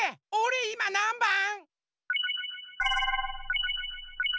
おれいまなんばん？